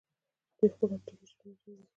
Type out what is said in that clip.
دوی خپل اپلیکیشنونه لري.